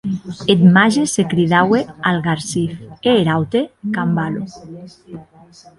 Eth màger se cridaue Algarsif, e er aute, Cambalo.